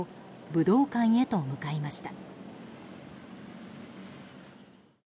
武道館へと向かいました。